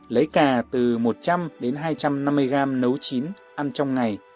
lấy cà từ một trăm linh đến hai trăm năm mươi gram nấu chín ăn trong ngày